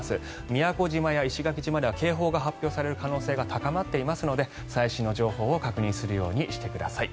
宮古島や石垣島では警報が発表される可能性が高まっていますので最新の情報を確認するようにしてください。